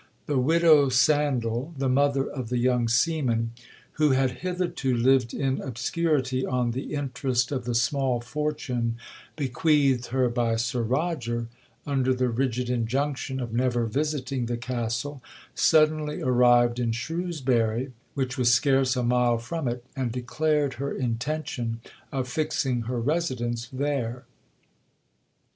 'The widow Sandal, the mother of the young seaman, who had hitherto lived in obscurity on the interest of the small fortune bequeathed her by Sir Roger, (under the rigid injunction of never visiting the Castle), suddenly arrived in Shrewsbury, which was scarce a mile from it, and declared her intention of fixing her residence there.